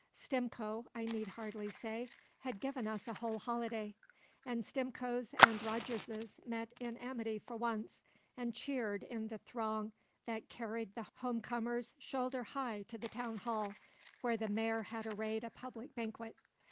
Stimcoe, I need scarcely say, had given us a whole holiday; and Stimcoe's and Rogerses met in amity for once, and cheered in the throng that carried the home comers shoulder high to the Town Hall, where the Mayor had arrayed a public banquet.